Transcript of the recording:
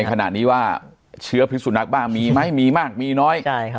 ในขณะนี้ว่าเชื้อพิษสุนักบ้างมีไหมมีมากมีน้อยใช่ครับ